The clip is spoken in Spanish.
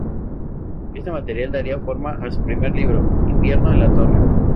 Este material daría forma a su primer libro: "Invierno en la torre".